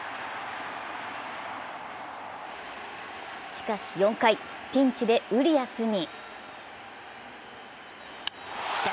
しかし４回、ピンチでウリアスに。